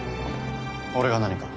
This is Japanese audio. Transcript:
俺が何か？